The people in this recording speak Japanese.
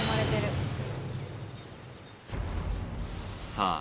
さあ